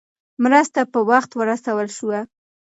مرسته په وخت ورسول شوه.